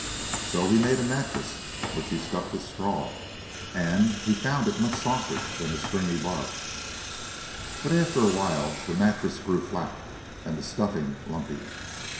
So he made a mattress which he stuffed with straw, and he found it much softer than the stringy bark. But after a while the mattress grew flat, and the stuffing lumpy.